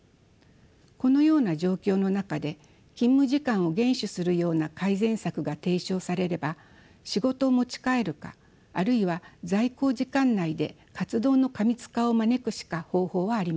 このような状況の中で勤務時間を厳守するような改善策が提唱されれば仕事を持ち帰るかあるいは在校時間内で活動の過密化を招くしか方法はありません。